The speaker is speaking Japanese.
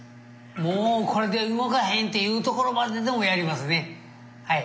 もうこれで動かへんっていうところまででもやりますねはい。